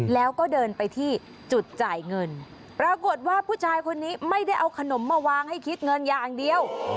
แล้วก็เดินไปที่จุดจ่ายเงินปรากฏว่าผู้ชายคนนี้ไม่ได้เอาขนมมาวางให้คิดเงินอย่างเดียว